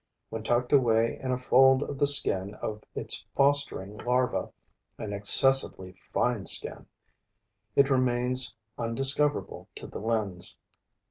When tucked away in a fold of the skin of its fostering larva, an excessively fine skin, it remains undiscoverable to the lens.